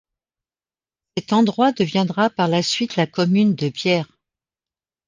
Cet endroit deviendra par la suite la commune de Bière.